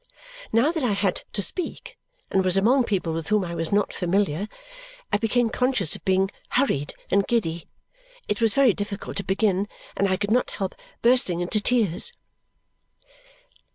Now that I had to speak and was among people with whom I was not familiar, I became conscious of being hurried and giddy. It was very difficult to begin, and I could not help bursting into tears.